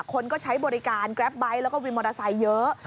คนก็ใช้บริการแกรปไบท์แล้วก็วินมอเตอร์ไซค์เยอะ